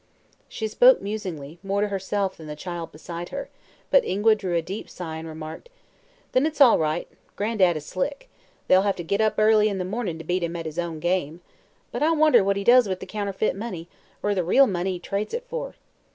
She spoke musingly, more to herself than the child beside her, but Ingua drew a deep sigh and remarked: "Then it's all right. Gran'dad is slick. They'll hev to get up early in the mornin' to beat him at his own game. But I wonder what he does with the counterfeit money, or the real money he trades it for."